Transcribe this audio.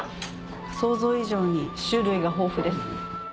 想像以上に種類が豊富です。